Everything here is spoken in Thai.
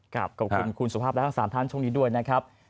ขอบคุณคุณสุภาพและทั้ง๓ท่านช่วงนี้ด้วยนะครับ